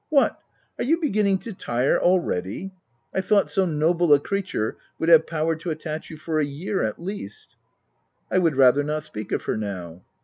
" What ! are you beginning to tire already ? I thought so noble a creature would have power to attach you for a year at least V 9 " I would rather not speak of her now."